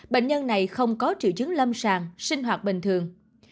bệnh nhân này không có triệu chứng lâm sàng sinh hoạt bình thường